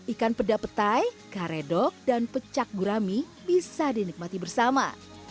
ikan peda petai karedok dan pecak gurami bisa dinikmati bersama